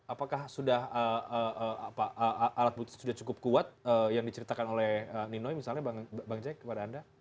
apakah alat bukti sudah cukup kuat yang diceritakan oleh ninoi misalnya bang jaya kepada anda